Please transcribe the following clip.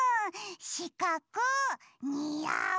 しかくにあう。